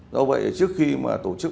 do vậy trước khi mà tổ chức